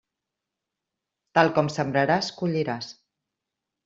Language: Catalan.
Tal com sembraràs, colliràs.